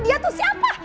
dia tuh siapa